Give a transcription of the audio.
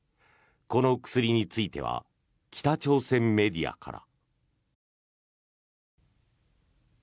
この薬については北朝鮮メディアから。